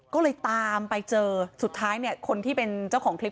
ก็เลยตามไปเจอสุดท้ายเนี่ยคนที่เป็นเจ้าของคลิป